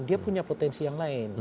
dia punya potensi yang lain